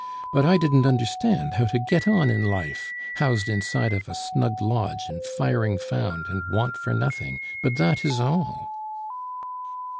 "But I didn't understand how to get on in life; housed inside of a snug lodge and firing found and want for nothing, but that is all."